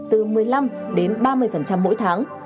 từ một mươi năm đến ba mươi mỗi tháng